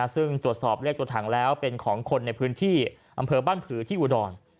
ซึ่งตรวจสอบเลขตัวถังแล้วเป็นของคนในพื้นที่อำเภอบ้านผือที่อุดร